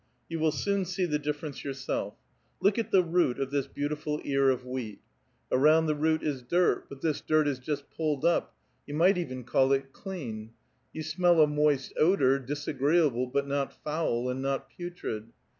You will soon see the difference yourself. Look at the root of this beautiful ear of wheat. Around the root is dirt, but this dirt is just pulled up, you might even call it clean ; you smell a moist odor, disagreeable, but not foul, and not putrid.